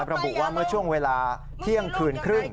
ระบุว่าเมื่อช่วงเวลาเที่ยงคืนครึ่ง